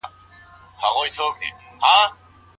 ښځه بايد په تعليم کي کوم شرط پوره کړي؟